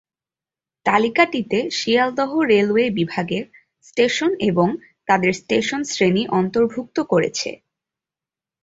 তালিকাটিতে Sealdah railway বিভাগের station এবং তাদের স্টেশন শ্রেণী অন্তর্ভুক্ত করেছে।